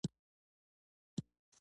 ښه به وي چې دلته یوه خبره وکړو